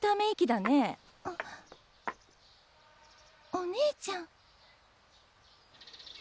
お姉ちゃん。